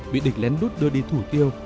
bị địch lén đút đưa đi thủ tiêu